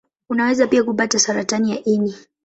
Unaweza pia kupata saratani ya ini.